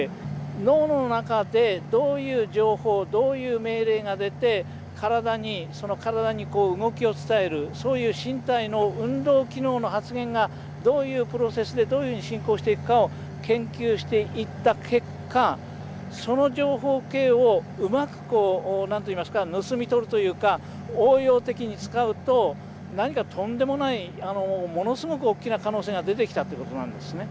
脳の中でどういう情報どういう命令が出て体に動きを伝えるそういう身体の運動機能の発現がどういうプロセスでどういうふうに進行していくかを研究していった結果その情報系をうまくこう何と言いますか盗み取るというか応用的に使うと何かとんでもないものすごく大きな可能性が出てきたということなんですね。